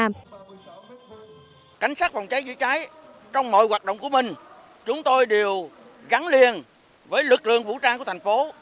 hội thao kỹ thuật phòng cháy chữa cháy trong mọi hoạt động của mình chúng tôi đều gắn liền với lực lượng vũ trang của thành phố